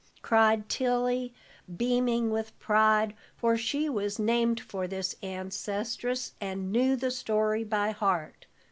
cried Tilly, beaming with pride, for she was named for this ancestress, and knew the story by heart.